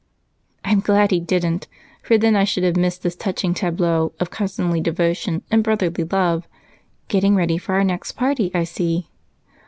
"I'm glad he didn't, for then I should have missed this touching tableau of cousinly devotion and brotherly love. Getting ready for our next party, I see."